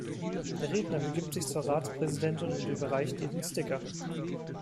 Der Redner begibt sich zur Ratspräsidentin und überreicht ihr den Sticker.